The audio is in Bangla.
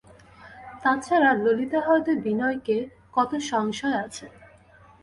তা ছাড়া ললিতা হয়তো বিনয়কে– কত সংশয় আছে।